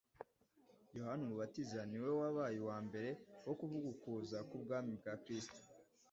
Yohana umubatiza ni we wabaye uwa mbere wo kuvuga ukuza k’ubwami bwa Kristo;